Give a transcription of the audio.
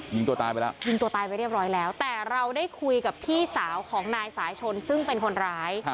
ยิงตัวตายไปแล้วแต่เราได้คุยกับพี่สาวของนายสายชนซึ่งเป็นคนร้าย